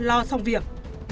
lo xong việc